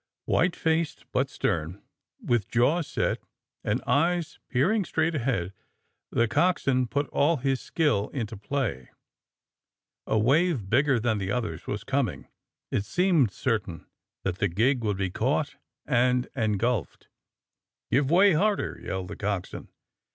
"White faced, but stern, with jaws set, and eyes peering straight ahead, the coxswain put all his skill into play. A wave bigger than the others was coming. It seemed certain that the gig would be caught and engulfed. '* Give way harder !'' yelled the coxswain.